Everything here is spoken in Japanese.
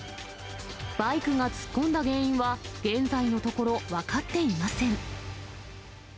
バイクが突っ込んだ原因は現在のところ、分かっていません。